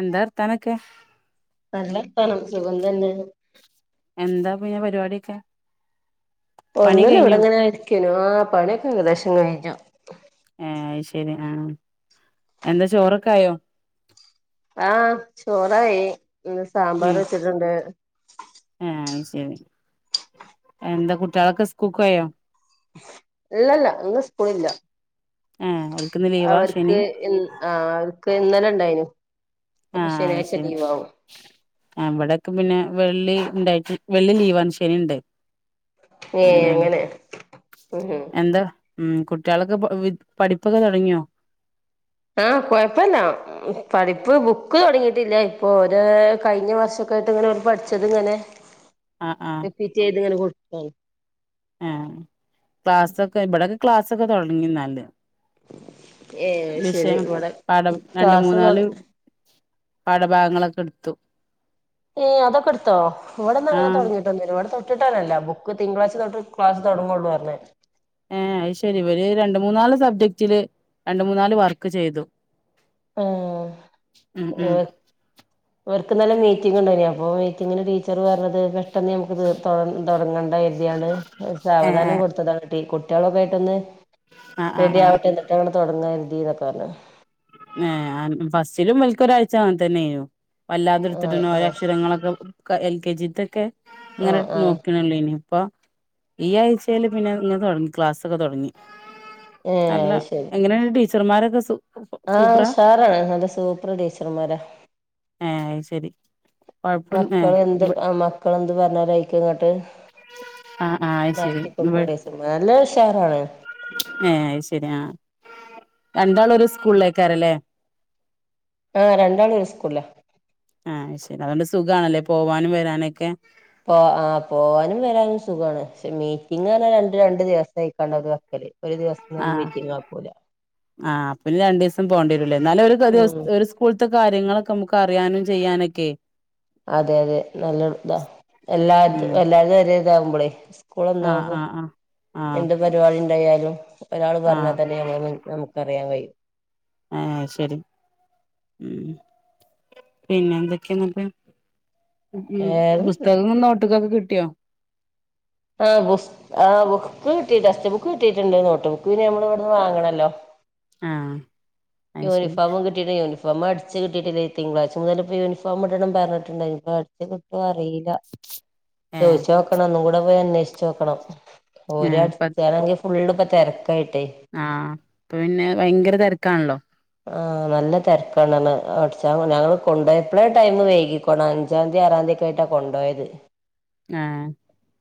എന്താ വർത്താനം ഒക്കെ നല്ല വർത്താനം സുഖം തന്നെ എന്താ പിന്നെ പരിപാടി ഒക്കെ ഒന്നുല്ല ഇവടെങ്ങനെ ഇരിക്കേനു. ആഹ് പണിയൊക്കെ ഏകദേശം കഴിഞ്ഞു. ഏഹ് അയ് ശരി. ആഹ് എന്താ ചോറൊക്കായൊ? ആഹ് ചോറായി. ന്ന് സാമ്പാർ ഏഹ് വെച്ചിട്ടുണ്ട്. ഏഹ് അത് ശരി. എന്താ കുട്ട്യളൊക്കെ സ്കൂക്കോയൊ? ഇല്ലല്ലാ. ഇന്ന് സ്കൂളില്ല. ഏഹ് ഓൽക്കിന്ന് ലീവാ ശനി അവർക്ക് ഇ ആഹ് അവർക്ക് ഇന്നലെ ണ്ടായി നു. ആഹ് അയ് ശരി. ആഹ് ഇവടെക്കെ പിന്നെ വെള്ളി ണ്ടായിട്ട് വെള്ളി ലീവാണ്. ശനി ഉണ്ട്. ഏ അങ്ങനേണ്. അങ്ങനെ ഉം എന്താ? ഉം കുട്ട്യാളൊക്കെ പ്പൊ വ്വ് പഠിപ്പൊക്കെ തൊടങ്ങിയൊ? ആഹ് കൊഴപ്പല്ലാ. ഉം. പഠിപ്പ് ബുക്ക് തൊട്ങ്ങീട്ടില്ല. ഇപ്പൊ ഓരെ കഴിഞ്ഞ വർഷംക്കെ ആയിട്ട് ങ്ങനെ ഓല് പഠിച്ചത് ങ്ങനെ ആഹ് ആഹ് പ്പിറ്റേത് ങ്ങനെ കൊട്ക്കാണ്. ഏഹ്. ക്ലാസ്സൊക്കെ വടൊക്കെ ക്ലാസൊക്കെ തൊടങ്ങി ന്നാല്. ഏ ശരി വിഷയം ഇവിടെ പാഠം രണ്ട്, ക്ലാസ് മൂന്നാല് പാഠഭാഗങ്ങളൊക്കെ ട്ത്തു. ഏഹ്. അതൊകെ ട്ത്തോ. വടെന്ന് അങ്ങനെ ആഹ് തൊടങ്ങിട്ടൊന്നുല്യാ. വ ടെ തൊ..... ട്ട്ട്ടെന്നെല്ല. ബുക്ക് തിങ്കളാഴ്ച തൊട്ട് ക്ലാസ് തെടങ്ങള്ളൂ അർ ഞ്ഞ്. ഏഹ് അയ് ശരി. ഇവര് രണ്ട്, മൂന്നാല് സബ്ജക്റ്റില് രണ്ട്, മൂന്നാല് വർക്ക് ചെയ്തു. ഉം ഉം അവർക്ക് ന്നെലെ മീറ്റിംങ്ങ് ണ്ടായിനി. അപ്പൊ മീറ്റിങ്ങിന് ടീച്ചർ പർഞ്ഞത് ട്ടെന്ന് നമുക്ക് തീർത്തോ [unintelligible] തൊടങ്ങണ്ടാ കര്തിയാണ്ട് ആ സാവധാനം കൊട്ത്തതാണ്. ഈ കുട്ടികളൊയിട്ടൊന്ന് ആ റെഡി ആ ട്ടെ ട്ടെ കുട്ട്യാള് പേട്ടന്ന് റെഡിയാവട്ടെ ന്നെട്ട് വേണം തൊട്ങ്ങാര്ന്നൊക്കെ പർഞ്ഞ്. ഏഹ് ആൻ ഫസ്റ്റിലും വെൽക്ക് ഒരാഴ്ച അങ്ങൻ തന്നേനു. വല്ലാതെ ആഹ് ഇട്ത്തിട്ടൊന്നു ഒരോ ആഹ് അക്ഷരങ്ങളൊക്കെ ക്ക എൽ കെ ജിത്തൊക്കെ ങ്ങനെ ആഹ് ആഹ് നോക്ക്ണെള്ളേ നി. പ്പൊ ഈ ആഴ്ച്ചേല് പിന്നെ ങ്ങെൻ തൊടങ്ങി ക്ലാസ്സൊക്കെ തൊടങ്ങി. ഏഹ് അല്ല. അത് ശരി എങ്ങനേണ്ട് ടീച്ചർമാരൊക്കെ സൂ.... ആഹ് ഉഷാറാണ്. നല്ല സൂപ്പർ ടീച്ചർമാരാ. ഏഹ് അത് ശരി. കൊഴപ്പം ഏ മക്കള് എന്ത് ആഹ് മക്കള് എന്ത് പർഞ്ഞാലും അയ്ക്ക്ങ്ങെട്ട് ആഹ് ആഹ് ആയ് ശരി. വെ നല്ല ഉഷാറാണ് ഏഹ് അയ് ശരി ആഹ്. രണ്ടാളും ഒര് സ്കൂൾലേക്കാരലെ? ആഹ് രണ്ടാളും ഒര് സ്കൂൾലാ ആഹ് അയ് ശരി. അതോണ്ട് സുഖാണല്ലൊ പോവാനും വരാനൊക്കെ. പോ ആഹ് പോവാനും വരാനും സുഖാണ്. പക്ഷെ മീറ്റിംങ് അർഞ്ഞാല് രണ്ടും രണ്ട് ദിവസ്സേക്കാണ്ടാ ഓല് വെക്കല്. ഒര് ദിവസം തന്നെ ആഹ്. മീറ്റിംഗ് ആക്കൂല ആഹ് പിന്നെ രണ്ടീസം പോണ്ട്വരുംലെ. ന്നാലും ഒര് ഒരു ഉം [unintelligible] സ്‌ക്കൂൾത്തെ കാര്യങ്ങളൊക്കെ അമുക്ക് അറിയാനും ചെയ്യാനൊക്കെ അതെ അതെ. നല്ല താ. എല്ലാ തു ഉം എല്ലാര്തും ഒരെ താവുമ്പ ളെ ആഹ് സ്‌ക്കൂളൊന്നാവ. ആഹ് ആഹ് ആഹ് എന്തൊ പരിപാടി ണ്ടായാലും ഒരാള് പർഞ്ഞാ ആഹ് തന്നെ യമ്മള് നമുക്കറിയാ കഴിയും. ആഹ് അത് ശരി. ഉം പിന്നെ എന്തൊക്കെ എന്ന്ട്ട് ഉം ഉം. ഏത് പുസ്തകങ്ങളും നോട്ട്ക്കൊക്കെ കിട്ടിയൊ? ആഹ് ബുസ് ആഹ് ബുക്ക് കിട്ടി ടെസ്റ്റ്‌ ബുക്ക് കിട്ടീട്ടെണ്ട് നോട്ട് ബുക്ക് പിന്നെ നമ്മളിവിടുന്ന് വാങ്ങണല്ലോ ആഹ് അത് ശരി യൂണിഫോമും കി കുട്ടിയുടെ യൂണിഫോം അടിച്ച് കിട്ടിയട്ടില്ല തിങ്കളാഴ്ച്ച മുതല് ഇപ്പൊ യൂണിഫോം ഇടണം പറഞ്ഞിട്ടിണ്ടായി ഇപ്പ അടിച്ചു കിട്ടോ അറിയില്ല ഏഹ് ചോദിച്ച് നോക്കണം ഒന്നും കൂടെ പോയി അന്വേഷിച്ച് നോക്കണം ഏഹ് ഇപ്പ ഓര് [unintelligible] ഫുള്ളിപ്പ തെരക്കായിട്ടേ ആഹ് ഇപ്പ പിന്നെ ഭയങ്കര തെരക്കാണല്ലോ ആഹ് നല്ല തെരക്കാണാണ് അടിച്ച മതി ഞങ്ങള് കൊണ്ടോയപ്പളെ ടൈമ് വൈകി [unintelligible] അഞ്ചാംന്തി ആറാംന്തി ഒക്കെ ആയിട്ടാ കൊണ്ടോയത് ആഹ്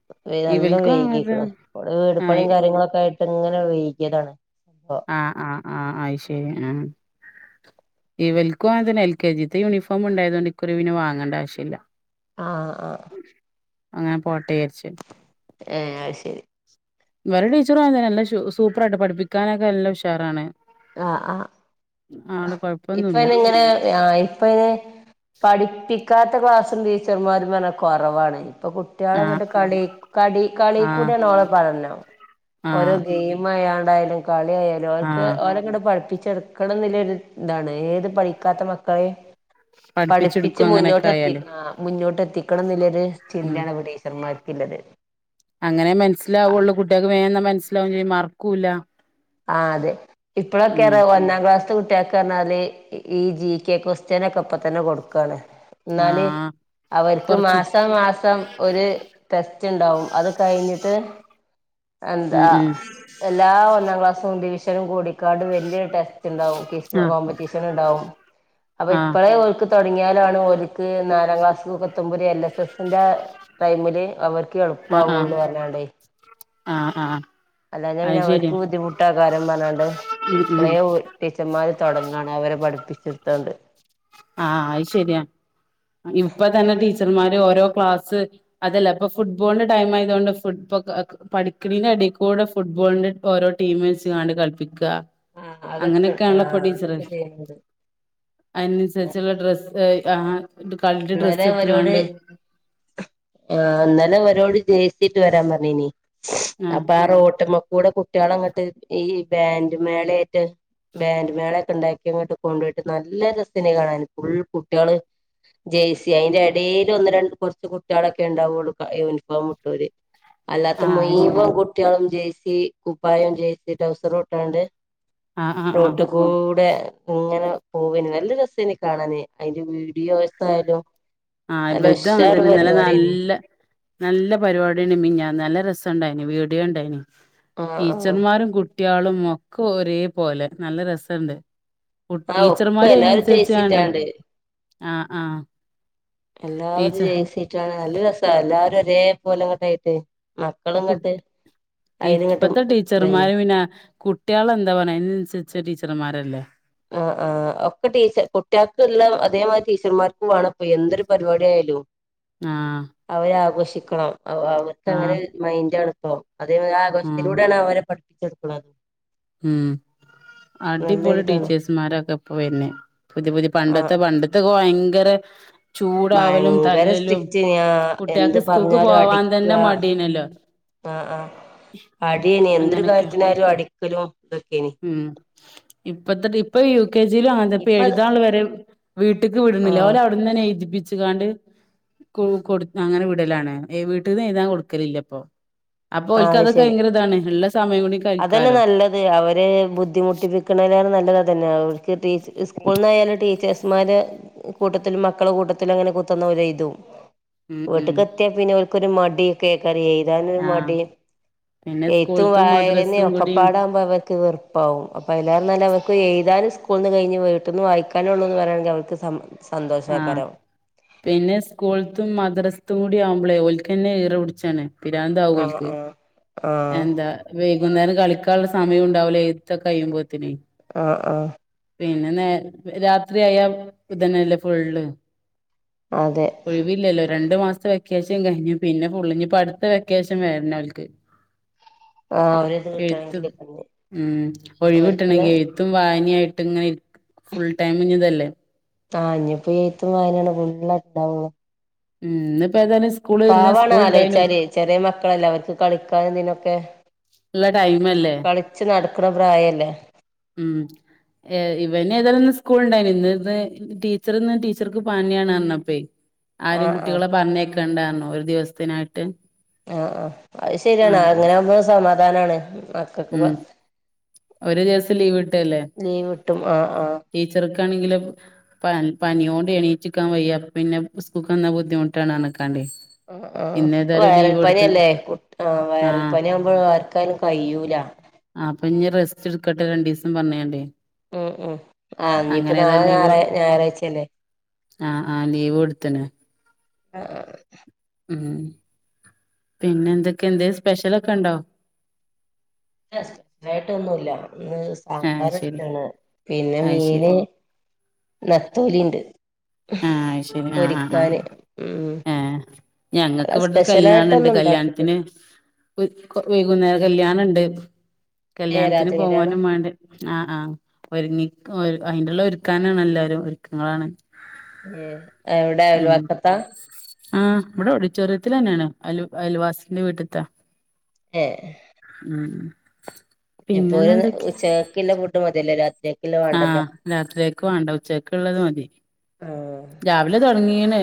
[unintelligible] നല്ല ഇവൽക്കും അങ്ങനത്തെ വൈകീക്കണ് ഇവിടെ വീട് ആഹ് പണിയും കാര്യങ്ങളൊക്കെ ആയിട്ട് ഇങ്ങനെ വൈകിയതാണ് അപ്പൊ ആഹ് ആഹ് ആഹ് അത് ശരി ആഹ് ഇവൽക്കും അങ്ങനെതന്നെ എൽ കെ ജീത്തെ യൂണിഫോം ഇണ്ടായത്കൊണ്ട് ഇക്കുറി പിന്നെ വാങ്ങണ്ട ആവശ്യില്ല ആഹ് അഹ് അങ്ങനെ പോട്ടേ വിചാരിച്ച് ഏഹ് അത് ശെരി ഇവരടെ ടീച്ചറും [unintelligible] നല്ല ഷൂ സൂപ്പറായിട്ട് പഠിപ്പിക്കാനൊക്കെ നല്ല ഉഷാറാണ് ആഹ് ആഹ് ആള് ഇപ്പ കൊഴപ്പൊന്നുല്ല ഇന്നിങ്ങനെ അഹ് ഇപ്പ ഇനി പഠിപ്പിക്കാത്ത ക്ലാസ്സും ടീച്ചർമാരും എന്ന് പറഞ്ഞ കൊറവാണ് ഇപ്പൊ കു ആഹ് കുട്ട്യാളങ്ങട്ട് കളി കടി ആഹ് കളീക്കുടിയാണ് ഓലെ പഠനം ഓരോ ആഹ് ഗെയി മ് ചെയ്യാണ്ടായാലും കളിയായാലും ഓൽക്ക്‌ ആഹ് ഓലങ്ങട് പഠിപ്പിച്ചെടുക്കണം എന്നിള്ള ഒര് ഇതാണ് ഏത് പഠിക്കാത്ത മക്കളേം പഠിപ്പിച്ച് പഠിപ്പിച്ചെടുക്കും അങ്ങനെയൊക്കെ മുന്നോട്ട് ആയാല് എത്തിക്കണം ആഹ് മുന്നോട്ട് എത്തിക്കണം എന്നില്ലൊരു ഉം ചിന്തയാണ് ഇപ്പ ടീച്ചർമ്മാർ‌ക്കിള്ളത് അങ്ങനേ മനസ്സിലാവൊള്ളു കുട്ടികക്ക് വേഗന്ന് മനസ്സിലാവേം ചെയ്യും മറക്കൂല്ല ആഹ് അതെ ഇപ്പഴൊക്കേറ ഉം ഒന്നാം ക്ലാസ് ത്ത് കുട്ടികക്ക് പറഞ്ഞാല് ഈ ജീ ക്കെ കൊസ്റ്റിനൊക്കെ ഇപ്പൊ തന്നെ കൊടുക്കാണ് എന്നാല് ആഹ് അവർക്ക് കൊറച്ചും മാസം മാസം ഒരു ടെസ്റ്റ് ഇണ്ടാവും അത് കഴിഞ്ഞിട്ട് ഉം എന്താ ഉം എല്ലാ ഒന്നാം ക്ലാസ്സും ഡിവിഷനും കൂടീ ങ്ങാണ്ട് വല്ല്യ ടെസ്റ്റിണ്ടാവും ക്വിസ് ആഹ് കോമ്പറ്റീഷനിണ്ടാവും അപ്പൊ ആഹ് ഇപ്പഴേ ഓൽക്ക് തൊടങ്ങിയാലാണ് ഓൽക്ക് നാലാം ക്ലാസ്സ് എത്തുമ്പൊര് എൽ എസ് എസിന്റാ ടൈമില് അവർക്ക് ആഹ് ആഹ് എളുപ്പാവുള്ളു പറഞ്ഞാണ്ടേ ആഹ് ആഹ് അല്ലാഞ്ഞാ അത് പിന്നെ ശരിയാ അവർക്ക് ബുദ്ധിമു ട്ടേക്കാരം പറഞ്ഞാണ്ട് ഉം ഉം ഇപ്പഴേ ഓര് ടീച്ചർമാര് തൊടങ്ങാണ് അവരെ പഠിപ്പിച്ചിടുത്താണ്ട് ആഹ് അത് ശരിയാണ് ഇപ്പ തന്നെ ടീച്ചർമാര് ഓരോ ക്ലാസ്സ് അതല്ല ഇപ്പൊ ഫുട്ബോളിന്റെ ടൈം ആയതോണ്ട് ഫുട്ബൊക്ക് പഠിക്കണീന്റെ എടേക്കൂടെ ഫുട്ബോളിന്റെ ഓരോ ടീമ് വെച്ചിങ്ങാണ്ട് കളപ്പിക്കാ ആഹ് അതൊക്കെ അങ്ങനൊക്കെയാണല്ലൊ ഇപ്പൊ ആഹ് ടീച്ചറ് അതൊക്കെ ചെയ്യുന്നുണ്ട് അയ്നനുസരിച്ചുള്ള ഡ്രസ് എഹ് ആഹ് ഇത് കളറ് ഇന്നലെ ഡ്രസ്സ് അവരോട് ഇട്ടുങ്ങാണ്ട് ആഹ് ഇന്നലെ അവരോട് ജേഴ്സീട്ട് വരാൻ പറഞ്ഞീനി ആഹ് അപ്പൊ ആ റോട്ട്മ്മക്കൂടെ കുട്ടികളങ്ങട്ട് ഈ ബാൻഡ് മേളേയിട്ട് ബാൻഡ്മേളൊക്കെ ഇണ്ടാക്കിയങ്ങട്ട് കൊണ്ടുപോയിട്ട് നല്ല രസന്നെ കാണാന് ഫുൾ കുട്ടികള് ജേഴ്സി അയിന്റെ എടേല് ഒന്ന് രണ്ട് കൊറച്ച് കുട്ടികളൊക്കെ ഇണ്ടാവോള്ളൂ ക യൂണിഫോം ഇട്ടവര് അല്ലാത്ത ആഹ് അത് ശരി മുഴുവൻ കുട്ടികളും ജേഴ്സി കുപ്പായം ജേഴ്സി ട്രൗസറും ഇട്ടോണ്ട് ആഹ് ആഹ് ആഹ് റൊട്ടികൂടെ ഇങ്ങനെ പോവന്നെ നല്ല രസേനു കാണാന് അയിന്റെ വീഡിയോസായാലും ആ ഇവൽതും ആങ്ങനെ തന്നെ ഇന്നലെ നല്ല നല്ല പരിപാടി ആയിരുന്നു മിനിഞ്ഞാന്ന് നല്ല രസംണ്ടായിനി വീഡിയോ ഇണ്ടായിനി ആഹ് ആഹ് ടീച്ചർമാരും കു ട്ടികളും ഒക്കെ ഒരേ പോലെ നല്ല രസണ്ട് കുട്ടി ആഹ് ഒക്കെ ടീച്ചർമാര് എല്ലാരും അയിനനുസരിച്ച് കാണ്ട് ജേഴ്സിട്ടാണ്ട് ആഹ് ആഹ് എല്ലാവരും ജെയ്സിട്ടാണ്ട് നല്ല രസ എല്ലാവരും ഒരേ പോലെ ഇങ്ങോട്ടായിട്ട് കുട്ടി ഇപ്പത്തെ ഇതായിന് ടീച്ചർമാര് പിന്നെ കു കുട്ടികളെ എന്താ പറയണ് അയിനനുസരിച്ച് ടീച്ചർമാരല്ലേ ആ ആ ഒക്കെ ടീച്ച കുട്ടിൾക്ക് ഇള്ള അതേമാതിരി ടീച്ചർമാർക്കും വേണപ്പോ എന്തൊരു പരിപാടി ആയാലും ആഹ് അവര് ആഘോഷിക്കണം അവ അവർക്ക് അങ്ങനെ ഒരു മൈൻഡ് അണ് ഇപ്പം അതേ മാ ആ സന്തോഷത്തിലൂടെയാണ് അവരെ പഠിപ്പിച്ചെടുക്ക്ണത് ഉം നല്ല അടിപൊളി ഇതാണ് ടീച്ചേഴ്സ്മാരൊക്കെ ഇപ്പ വരുന്നെ പുതിയ പുതിയ ആ പണ്ടത്തെ പണ്ട ത്തെ ഒക്കെ ഭയങ്കര ചൂടാവലും ഭയങ്കര തല്ലലും സ്ട്രിക്റ്റ് ഞാ എന്ത് കുട്ടികൾക്ക് സ്കൂൾക്ക് പറഞ്ഞാലും പോവാൻ അടിക്കുക തന്നെ മടി ആയിരുന്നല്ലോ ആ ആ അടി എയ്നി എന്തൊരു അങ്ങനൊക്കെ കാര്യത്തിനായാലും അടിക്കലും ഇതൊക്കെനി ഉം ഇപ്പത്തെ ടീ ഇപ്പം യൂ കെ ജി യിലും അങ്ങൻത്തന്നെ ഇപ്പം ഇപ്പ എഴുതാനുള്ളത് വരെ വീട്ട്ക് ആ വിട്ണില്ല നൽ അവി ഇവട്ന്നന്നെ എഴുതിപ്പിച്ചുകാണ്ട് കു കൊട് അങ്ങനെ വിടലാണ് വീട്ടിന്ന് എഴുതാൻ കൊടുക്കലില്ലപ്പൊ അപ്പൊ ആ ഒൽക്ക് അത് ഒക്കെ ശരി ഭയങ്കര ഇതാണ് ഉള്ള സമയം കൂടി കളിക്കാലോ അത് അവര് ബുദ്ധിമുട്ടിപ്പിക്ണരെ നല്ലതാ അതന്നെ ഓൽക്ക് ടീച്ചർ സ്കൂളിൽന്നായാലും ടീച്ചേയ്സ് മാരെ കൂട്ടത്തിലും മക്കള കൂട്ടത്തിലും അങ്ങനെ കുത്തി ഇരുന്ന് ഓൽ എഴുതും ഉം ഉം വീട്ക്ക്ത്തിയാ പിന്നെ ഓൽക്കൊരു മടിയൊക്കെ അയ്ക്കാരം എഴുതാനൊരു മ ആഹ് ടി പിന്നെ എഴുത്തും സ്കൂൾത്തും മദ്രസും വായനയും കൂടിയും ഒക്കെപ്പാടാകുമ്പോ അവർക്ക് വെറു എളുപ്പാവും അപ്പൊ അതിലേറെ നല്ലത് അവർക്ക് എഴുതാന് സ്കൂളിന്ന് കഴിഞ്ഞ് വീട്ട്ന്ന് വായിക്കനെ ഉള്ളൂന്ന് പറയാണെങ്കിൽ അവർക്ക് സ ആഹ് സന്തോഷയ്കാരം പിന്നെ സ്കൂള്ത്തതും മദ്രസ്ത്തതും കൂടി ആവുമ്പോളേ ഓല്ക്കന്നെ ഈറ പിടിച്ചാണ് ആഹ് പിരാന്താവോൽക്ക് ആഹ് ആഹ് എന്താ വൈകുന്നേരം കളിക്കാൻള്ള സമയം ഉണ്ടാവുല എഴുത്തൊക്കെ കഴിയുമ്പോത്തിനേ ആഹ് ആഹ് പിന്നെ നേ രാത്രി ആയാ ഇതന്നല്ലേ ഫുള്ള് അതെ ഒഴിവില്ലല്ലോ രണ്ടു മാസം വെ ക്കേഷൻ കഴിഞ്ഞു പിന്നെ ഫുൾ ഇഞ്ഞിപ്പ അടുത്ത വെക്കേഷൻ വരണം ഓൽക്ക് ആഹ് ഒരിത് എഴുത്ത് കിട്ടണെങ്കില് പിന്നെ ഉം ഒഴിവ് അവർക്ക് കിട്ടണങ്കിൽ എഴു ത്തും വായനയും ആയിട്ട് ഇങ്ങനെ ഫുൾ ടൈം ഇഞ്ഞിതല്ലേ ആഹ് ഇനിയിപ്പോ എഴുത്തും വായനയും ആണ് ഫുൾ ഉണ്ടാവുക ഉം ഇന്ന് ഇപ്പൊ ഏതായാലും സ് പവാണ് ആലോചിച്ചാല് ചെറിയ മക്കളല്ലേ അവർക്ക് കളിക്കാനും ഇതിനൊക്കെ ഉള്ള ടൈം അല്ലേ കളിച്ച് നടക്ക്ണ പ്രായല്ലേ ഉം ഏ ഇവന് ഏതായാലും ഇന്ന് സ്കൂൾ ഉണ്ടായിനി ഇന്ന് ടീച്ചർ ഇന്ന് ടീച്ചർക്ക് പാനിയാണ്ന്ന് പറഞ്ഞപ്പേ ആരും ആഹ് ആഹ് കുട്ടികളെ പറഞ്ഞ് അയക്കണ്ടാ പറഞ്ഞോ ഒരു ദിവസത്തിനായിട്ട് ആഹ് ആ അത് ശരിയാണ് ആഹ് അങ്ങനെ ആവുമ്പോ സമാധാനമാണ് മക്കൾക്ക് പ ഉം ഒരു ദിവസം ലീവ് കിട്ടല്ലേ കിട്ടും ആഹ് ആഹ് ടീച്ചർക്കാണെങ്കില് പ പനിയോണ്ട് എണീച്ചക്കാൻ വയ്യ പിന്നെ സ്കൂൾക്കന്ന ബുദ്ധിമുട്ടാണ് പറഞ്ഞ് കാണ്ട് ആഹ ആഹ ഇപ്പ വയറൽ പനി അല്ലേ ആഹ വയറൽ ആഹ് പനി ആവുമ്പോൾ ആർക്കായാലും കയൂല ആഹ അപ്പൊഇഞ്ഞ് റസ്റ്റ് ഇടുക്കട്ടെ രണ്ടു ദിവസം പറഞ്ഞാണ്ടേ ഉം ഉം ആ അങ്ങനെ ഇഞ്ഞപ്പേനാളെ ഏതായാലും ലീവ് ഞായ ഞായറാഴ്ചല്ലേ ആഹ് ആഹ് ലീവ് ഇടത്ത്ണ് ആഹ ഉം പിന്നെ എന്തൊക്കെ ണ്ട് സ്പെഷ്യലൊക്കെ ഉണ്ടോ അയിൻ്റെ ഷം േവട്ട ഒന്നുല്ല ആഹ് സാമ്പാർ ശരി അച്ചണ് പിന്നെ അയ് മീന് ശരി നത്തോലി ഉണ്ട് ആഹ അയ്ശരി ആ ഹആഹ ഉം ഏ അല്ല ഞങ്ങക്ക് ഇവിടെ ഒരു കല്യാണണ്ട് സ്പെഷ്യലായിട്ടൊന്നും കല്യാണത്തിന് ഉണ്ടാക്കിട്ടില്ല വൈകുന്നേരം കല്യാണുണ്ട് ഏഹ് കല്യാണത്തിന് രാജകല്യാണം പോവാനും മാ െണ്ട ആഹ് ആഹ ഒരുങ്ങി അയിനുള്ള ഒരുക്കാനാണ് എല്ലാരും ഒരുക്കങ്ങളാണ് എവിടെ അയൽവക്കത്ത ആ ഹ ഇവിടെ ഓഡിിറ്റോറിയത്തിൽ തന്നെയാണ് അല അയൽവാസിന്റെ വീട്ടിത്ത ഏഹ ഉം ഇനിഎപ്പൊ ഒരു പിന്നെന്നെന്തൊക്കെ ഉച്ചക്ക ക്കിലെല ഫുഡ് മതിയല്ലേ രാത്രിക്കക്ക് ആഹ രാത്രിയൊക്ക് മാണ്ട ഉച്ചക്ക ക്ക് ഉള്ളത് മതി രാവിലെ തൊടങ്ങിണ്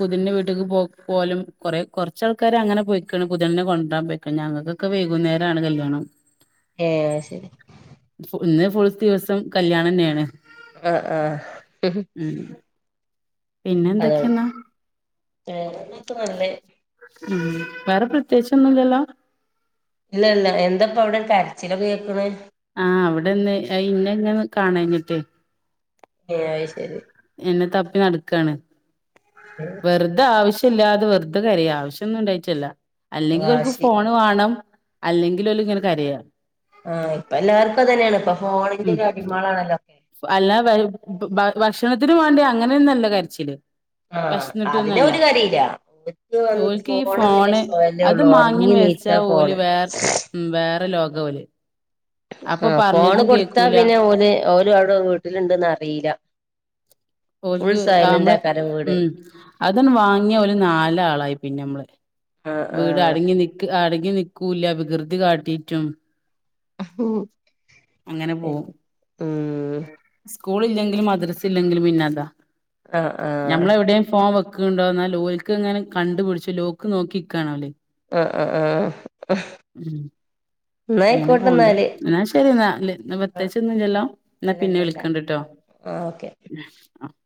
പുതിന്ന വീട്ടിക്ക് പോ പോലും കൊറ കുറച്ചാൾക്കാര അങ്ങനെ പോയി പുതണിനെ കൊണ്ട രാൻ പോയ്ക്കണ് ഞങ്ങക്കൊക്കെ വൈകുന്നേരാണ് കല്യാണം ഏഹ അത് ശരി ഇന്ന് ഫുൾ ദിവസം കല്യാണം ന്നെയാണ് ആഹ ആഹ പിന്നെ എന്തൊക്കെണ് ഏട്ട് മല്ലേ ഉം വേറെ പ്രത്യേകിച്ച ഒന്നുംല്ലല്ലോ ഇല്ല ഇല്ല എന്താപ്പ അവിടെ ഒരു കരച്ചിലൊക്ക കേക്കണ് ആഹ അവിടെന്ന് ഇന്നെഇങ്ങന്ന് കാണാഞ്ഞിട്ടേ ഏ അത് ശരി എന്നെ തപ്പി നടക്കാണ് ഏ വെറുതെ ആവശ്യല്ലാതെ വെറുതെ കരിയ ആവശ്യന്നും ഉണ്ടായിട്ടല്ല അല്ലെങ്കിൽ ഓൽക്ക് വാശി ഫോൺ വാണം അല്ലെങ്കിൽ ഒല് ഇങ്ങനകരയ ആഹ ഇപ്പ എല്ലാർക്കും അതന്നെയാണ്പ്പൊ ഫോണിന്റെ ഒരു അടിമളാണല്ലോ അല്ലാ ഭക്ഷണത്തിന് വേണ്ടി അങ്ങനെന്നല്ലോ കരച്ചില് ആ അതിനെ വെശന്നിട്ടന്നല്ല ഓര് കരയില്ല ഓര്ക്ക് ഓൽ വന്ന് ക്ക് ഈ ഫോണെന്നുള്ള ഫോണ് സ്വയല്ലേ അത് ഉള്ളൂ മാങ്ങി ഉറങ്ങി വച്ച ചച്ച നീച്ചാ പോല് ഫോണ് വേറെ ഉ വേറെ ലോക ഓല് അപ്പൊ ആഹ ഫോണ് പറഞ്ഞതും കൊടുത്താ കേക്കൂല പിന്നെ ഓല്ഓ ല്ആടുവീട്ടിലുണ്ടന്ന അറിയില്ല ഫുൾ ഓൽക്ക് ആഹ സൈലന്റ് നമ്മള് ആക്കാരം വീട് ഉം അതന്ന വാങ്ങിയ ഒരു നാല ആളായി പിന്നെ നമ്മള് ആ വീട് ആ അടങ്ങി നക്ക് അടങ്ങി നിക്കൂല്ല വികൃതി കാട്ടിട്ടും അങ്ങനെ ഉം പോവും സ്കൂൾ ഇല്ലെങ്കിലും മദ്രസ് ഇല്ലെങ്കിലും പിന്നെതാ ആഹ് ആഹ് ഞമ്മളെവിടെയും ഫോൺ വെക്കണ്ടോ എന്നാൽ ലോക്ക് അങ്ങനെ കണ്ടു പിിടിച്ചു ലോക്ക് നോക്കിിക്കാണോ അവര് ആഹ് ആഹ് ആഹ് ഉം അങ്ങനെ എന്നായിക്കോട്ടെ പോണ്ട് എന്നാല് എന്നാ ശരി എന്നാല്ല് എന്ന പ്രത്ച്ച് ഒന്നും ഇല്ലാല്ലോ എന്നാ ഇല്ല പിന്നെ ഇല്ല ഇല്ല വിളിക്കണ്ടിട്ടോ ഓക്കെ ആഹ്